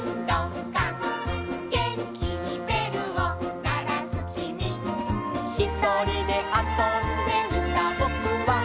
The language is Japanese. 「げんきにべるをならすきみ」「ひとりであそんでいたぼくは」